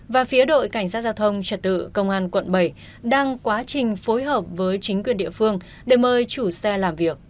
và phía đội cảnh sát giao thông trật tự công an quận bảy đang quá trình phối hợp với chính quyền địa phương để mời chủ xe làm việc